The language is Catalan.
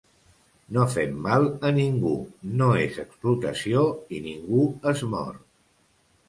No fem mal a ningú, no és explotació, i ningú es mor.